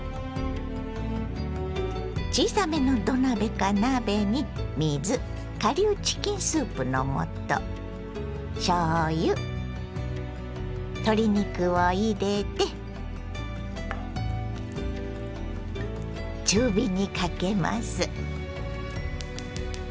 小さめの土鍋か鍋に水顆粒チキンスープの素しょうゆ鶏肉を入れて中火にかけます。